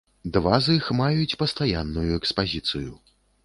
Два з іх маюць пастаянную экспазіцыю.